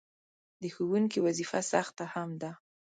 د ښوونکي وظیفه سخته هم ده.